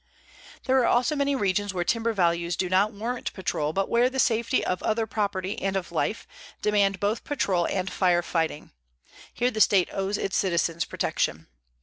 There are also many regions where timber values do not warrant patrol, but where the safety of other property, and of life, demand both patrol and fire fighting. Here the state owes its citizens protection.